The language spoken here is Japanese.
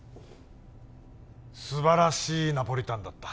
素晴らしいナポリタンだった